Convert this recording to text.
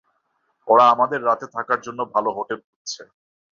ওরা আমাদের রাতে থাকার জন্য ভালো হোটেল খুঁজছে।